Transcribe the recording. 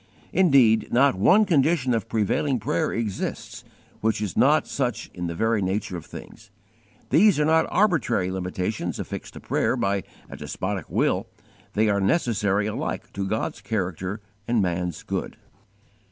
Indeed not one condition of prevailing prayer exists which is not such in the very nature of things. These are not arbitrary limitations affixed to prayer by a despotic will; they are necessary alike to God's character and man's good.